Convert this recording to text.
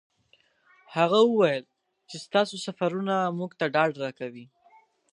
هغه وویل چې ستاسو سفرونه موږ ته ډاډ راکوي.